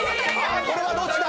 これはどっちだ